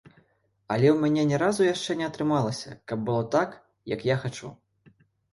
Але ў мяне ні разу яшчэ не атрымалася каб было так, як я хачу.